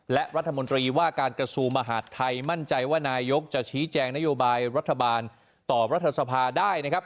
และรัฐมนตรีว่าการกระทรวงมหาดไทยมั่นใจว่านายกจะชี้แจงนโยบายรัฐบาลต่อรัฐสภาได้นะครับ